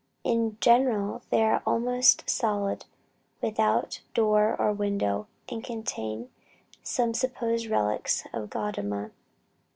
In general, they are almost solid, without door or window, and contain some supposed relic of Gaudama.